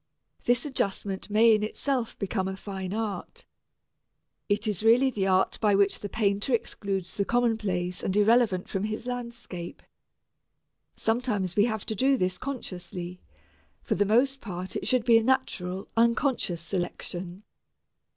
This adjustment may in itself become a fine art. It is really the art by which the painter excludes the commonplace and irrelevant from his landscape. Sometimes we have to do this consciously; for the most part, it should be a natural, unconscious selection.